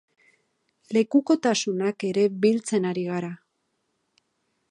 Lekukotasunak ere biltzen ari gara.